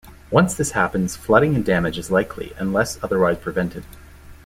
Once this happens, flooding and damage is likely unless otherwise prevented.